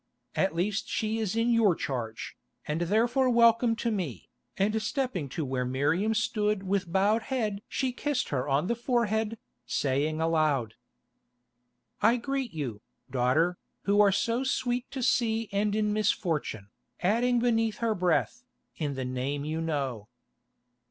At least she is in your charge, and therefore welcome to me," and stepping to where Miriam stood with bowed head she kissed her on the forehead, saying aloud: "I greet you, daughter, who are so sweet to see and in misfortune," adding beneath her breath, "in the Name you know."